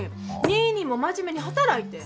ニーニーも真面目に働いて。